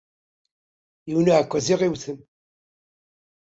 Yiwen uεekkaz i ɣ-iwten.